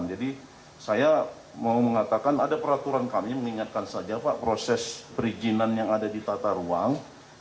jadi saya mau mengatakan ada peraturan kami mengingatkan saja pak proses perizinan yang ada di tata ruang